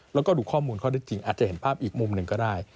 แล้วก็ดูข้อมูลข้อได้จริงอาจจะเห็นภาพอีกมุมหนึ่งก็ได้